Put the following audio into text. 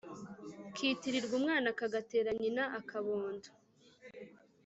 Kitirirwa umwana kagatera nyina akabondo.